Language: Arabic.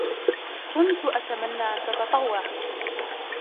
كُنتُ أتمنى أن تتطوّع.